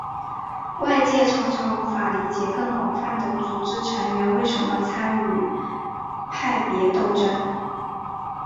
外界常常无法理解更广泛的组织成员为什么参与派别斗争。